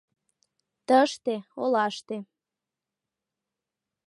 Тыште, олаште.